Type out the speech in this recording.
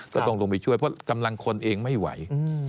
ก็ต้องลงไปช่วยเพราะกำลังคนเองไม่ไหว